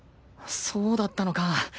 そうだったのか。